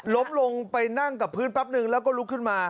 ลงไปนั่งกับพื้นแป๊บนึงแล้วก็ลุกขึ้นมา